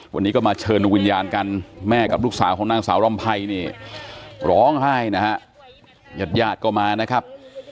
วันนี้ก็มาเชิญดวงวิญญาณกันแม่กับลูกสาวของนางสาวรำไพรนี่ร้องไห้นะฮะญาติญาติก็มานะครับ